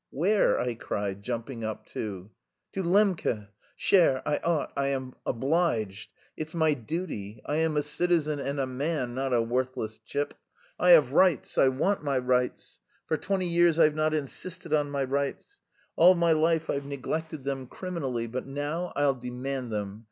"Where?" I cried, jumping up too. "To Lembke. Cher, I ought, I am obliged. It's my duty. I am a citizen and a man, not a worthless chip. I have rights; I want my rights.... For twenty years I've not insisted on my rights. All my life I've neglected them criminally... but now I'll demand them.